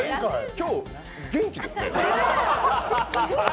今日、元気ですね。